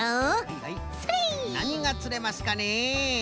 なにがつれますかね？